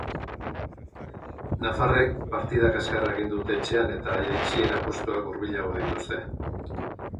Nafarrek partida kaskarra egin dute etxean, eta jaitsiera postuak hubilago dituzte.